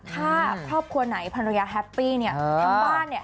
ถ้าครอบครัวไหนภรรยาแฮปปี้เนี่ยทั้งบ้านเนี่ย